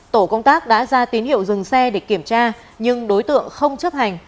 tổ công tác đã ra tín hiệu dừng xe để kiểm tra nhưng đối tượng không chấp hành